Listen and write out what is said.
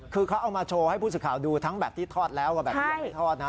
คือเขาเอามาโชว์ให้ผู้สื่อข่าวดูทั้งแบบที่ทอดแล้วแบบนี้ยังไม่ทอดนะ